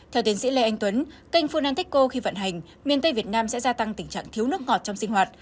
theo tiến sĩ lê anh tuấn kênh funantickco khi vận hành miền tây việt nam sẽ gia tăng tình trạng thiếu nước ngọt trong sinh hoạt